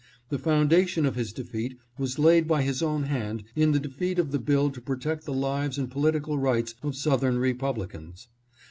The foundation of his defeat was laid by his own hand in the defeat of the bill to protect the lives and political rights of Southern Repub licans.